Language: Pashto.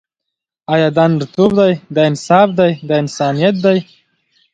آیا دا نرتوب دی، دا انصاف دی، دا انسانیت دی.